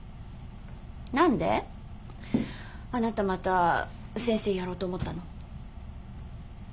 何であなたまた先生やろうと思ったの？